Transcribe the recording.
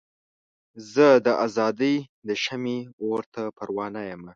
زه د ازادۍ د شمعې اور ته پروانه یمه.